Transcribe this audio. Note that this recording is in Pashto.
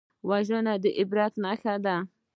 وژنه د عبرت نښه ده